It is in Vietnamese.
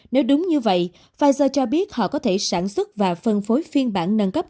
nếu đúng như vậy pfizer cho biết họ có thể sản xuất và phân phối phiên bản nâng cấp